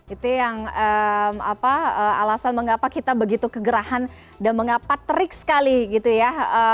itu yang alasan mengapa kita begitu kegerahan dan mengapa terik sekali gitu ya